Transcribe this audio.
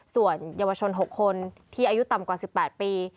ส่วนเยาวชน๖คนที่อายุต่ำกว่า๑๘ปี